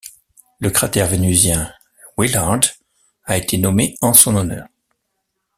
Le cratère vénusien Willard a été nommé en son honneur.